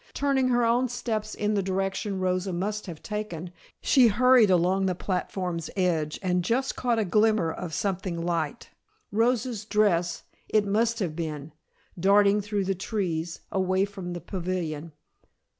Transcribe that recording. Turning her own steps in the direction Rosa must have taken, she hurried along the platform's edge and just caught a glimmer of something light Rosa's dress it must have been darting through the trees, away from the pavilion.